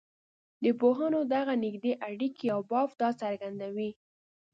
د پوهنو دغه نږدې اړیکي او بافت دا څرګندوي.